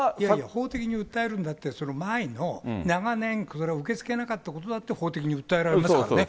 法的に訴えるんだって、その前の、長年受け付けなかったことだって、法的に訴えられますからね。